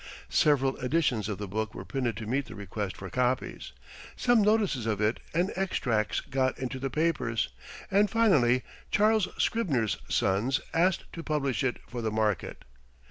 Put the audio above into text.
Several editions of the book were printed to meet the request for copies. Some notices of it and extracts got into the papers, and finally Charles Scribner's Sons asked to publish it for the market.